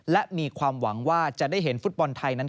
และมีความหวังว่าจะได้เห็นฟุตบอลไทยนั้น